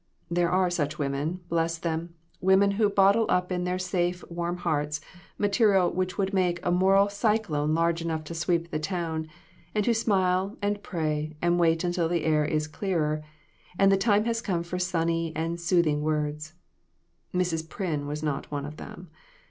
There are such women .bless them women who bottle up in their safe, warm hearts, material which would make a moral cyclone large enough to sweep the town, and who smile and pray and wait until the air is clearer, and the time has come for sunny and soothing words. Mrs. Pryn was not one of them.